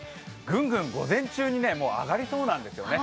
ぐんぐん午前中に上がりそうなんですよね。